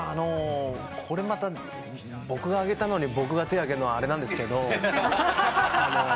これまた僕が挙げたのに僕が手を挙げるのはあれなんですけど。